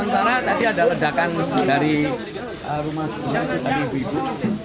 tadi ada ledakan dari rumah ibu